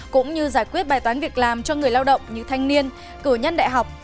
cũng như giải quyết bài toán việc làm cho người lao động như thanh niên cử nhân đại học